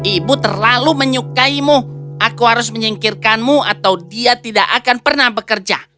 ibu terlalu menyukaimu aku harus menyingkirkanmu atau dia tidak akan pernah bekerja